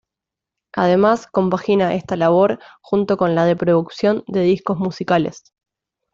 Además, compagina esta labor junto con la de producción de discos musicales.